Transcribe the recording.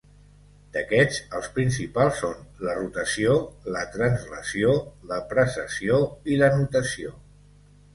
D'aquests, els principals són la rotació, la translació, la precessió i la nutació.